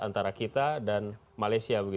antara kita dan malaysia